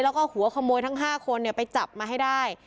แล้วก็หัวขโมยทั้ง๕คนไปจับมาให้ได้